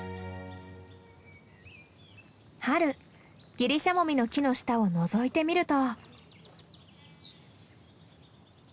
春ギリシャモミの木の下をのぞいてみると。